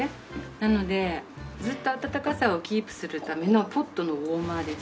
なのでずっと温かさをキープするためのポットのウォーマーです。